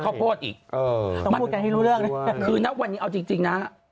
ต้องพูดกันให้รู้เรื่องนะคือนะวันเอาจริงนะ